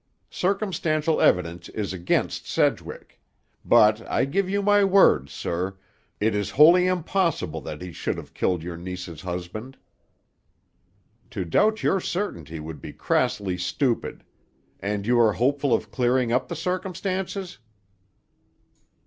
"Circumstantial evidence is against Sedgwick: but, I give you my word, sir, it is wholly impossible that he should have killed your niece's husband." "To doubt your certainty would be crassly stupid. And are you hopeful of clearing up the circumstances?"